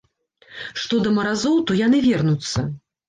Што да маразоў, то яны вернуцца.